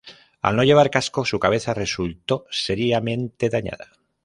Al no llevar casco, su cabeza resultó seriamente dañada.